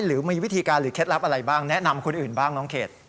หรือมีวิธีการหรือเคล็ดลับอะไรบ้างแนะนำคนอื่นบ้างน้องเขต